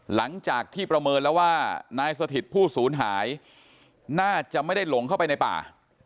หลังจากที่ประเมินแล้วว่านายสถิตผู้ศูนย์หายน่าจะไม่ได้หลงเข้าไปในป่า